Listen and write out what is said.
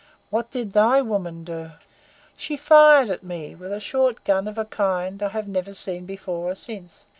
What did thy woman do?" "She fired at me with a short gun of a kind I have never seen before or since.